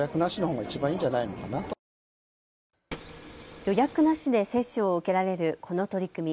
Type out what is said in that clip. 予約なしで接種を受けられるこの取り組み。